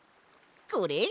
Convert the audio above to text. これ？